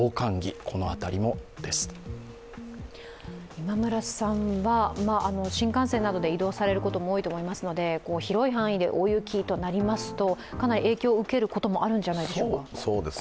今村さんは新幹線などで移動されることも多いと思いますので広い範囲で大雪となりますとかなり影響を受けることもあるんじゃないでしょうか？